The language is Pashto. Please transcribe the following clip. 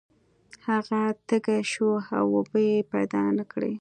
هغه تږی شو او اوبه یې پیدا نه کړې.